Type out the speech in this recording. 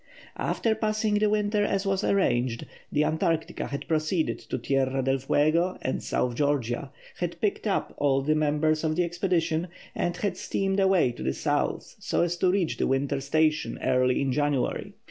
After passing the winter as was arranged, the Antarctica had proceeded to Tierra del Fuego and South Georgia, had picked up all the members of the expedition, and had steamed away to the South so as to reach the winter station early in January.